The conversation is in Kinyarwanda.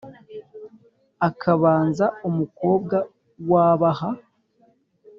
akabanza umukobwa w abaha